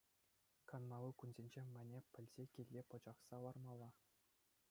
Канмалли кунсенче мӗне пӗлсе килте пӑчӑхса лармалла.